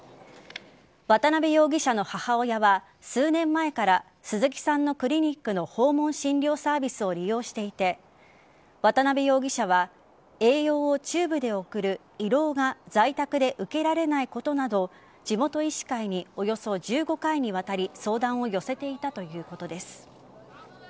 渡辺容疑者の母親は数年前から鈴木さんのクリニックの訪問診療サービスを利用していて渡辺容疑者は栄養をチューブで送る胃ろうが在宅で受けられないことなど地元医師会におよそ１５回にわたり相談を寄せていたということです。